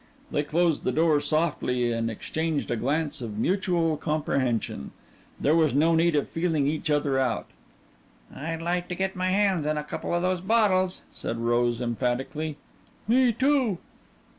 They closed the door softly and exchanged a glance of mutual comprehension. There was no need of feeling each other out. "I'd like to get my hands on a coupla those bottles," said Rose emphatically. "Me too."